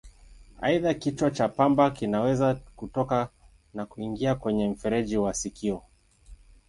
Aidha, kichwa cha pamba kinaweza kutoka na kuingia kwenye mfereji wa sikio.